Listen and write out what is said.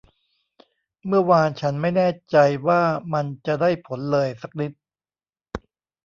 เมื่อวานฉันไม่แน่ใจว่ามันจะได้ผลเลยสักนิด